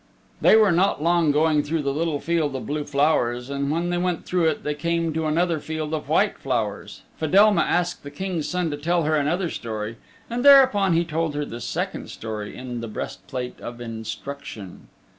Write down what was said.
They were not long going through the little field of blue flowers, and when they went through it they came to another field of white flowers. Fedelma asked the King's Son to tell her another story, and thereupon he told her the second story in "The Breastplate of Instruction."